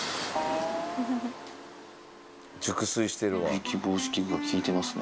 いびき防止器具が効いてますね。